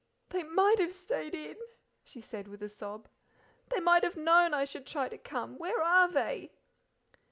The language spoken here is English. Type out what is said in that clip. "They MIGHT have stayed in," she said with a sob. "They might have known I should try to come. Where are they?"